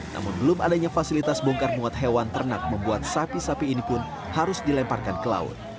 namun belum adanya fasilitas bongkar muat hewan ternak membuat sapi sapi ini pun harus dilemparkan ke laut